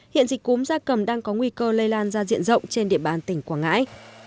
hiện dịch cúm gia cầm đang có nguy cơ lây lan ra diện rộng trên địa bàn tỉnh quảng ngãi